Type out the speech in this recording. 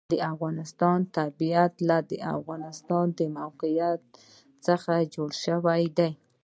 د افغانستان طبیعت له د افغانستان د موقعیت څخه جوړ شوی دی.